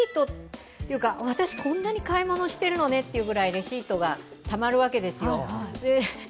私、こんなに買い物してるのねってぐらいレシートがたまるわけですよ。